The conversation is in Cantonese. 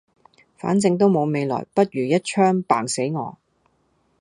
反正都冇未來不如一鎗啪死我